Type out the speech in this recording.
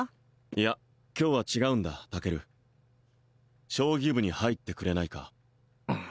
いや今日は違うんだタケル将棋部に入ってくれないか？